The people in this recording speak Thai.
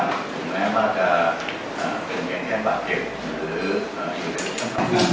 หรือแม้ว่าจะอ่าเกิดอย่างเงี้ยบาปเจ็บหรือเอ่ออืม